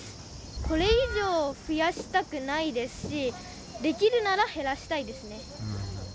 これ以上増やしたくないですし、できるなら減らしたいですね。